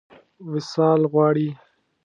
وصال غواړي.